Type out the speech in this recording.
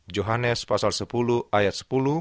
johannes pasal sepuluh ayat sepuluh